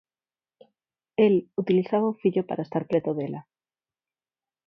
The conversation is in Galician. El utilizaba o fillo para estar preto dela.